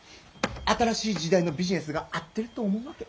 新しい時代のビジネスが合ってると思うわけ。